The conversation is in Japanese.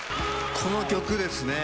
この曲ですね